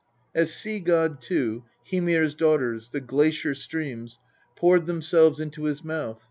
As sea god, too, Hymir's daughters, the glacier streams, poured themselves into his mouth (st.